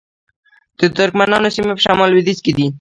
د ترکمنانو سیمې په شمال لویدیځ کې دي